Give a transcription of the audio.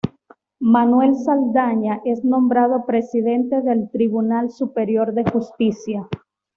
Manuel Saldaña es nombrado Presidente del Tribunal Superior de Justicia.